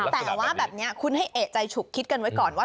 แต่ว่าแบบนี้คุณให้เอกใจฉุกคิดกันไว้ก่อนว่า